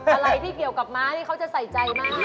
อะไรที่เกี่ยวกับม้านี่เขาจะใส่ใจมาก